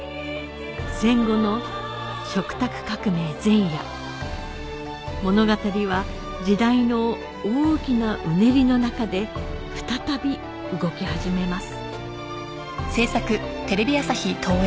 戦後の食卓革命前夜物語は時代の大きなうねりの中で再び動き始めます